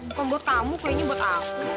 bukan buat kamu kayaknya buat aku